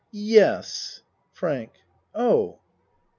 Yes. FRANK Oh!